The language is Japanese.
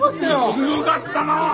すごがったなあ。